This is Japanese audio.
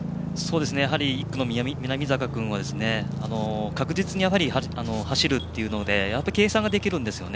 やはり１区の南坂君は確実に走るというのでやはり計算ができるんですよね。